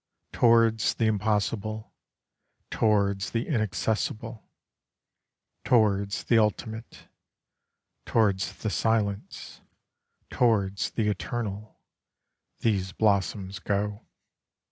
Towards the impossible, Towards the inaccessible, Towards the ultimate, Towards the silence, Towards the eternal, These blossoms go.